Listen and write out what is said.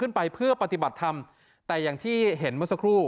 ไปเพื่อปฏิบัติธรรมแต่อย่างที่เห็นเมื่อสักครู่